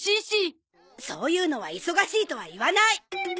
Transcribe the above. そういうのは忙しいとは言わない！